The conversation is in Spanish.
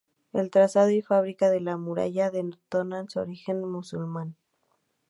El trazado y fábrica de la muralla denotan su origen musulmán.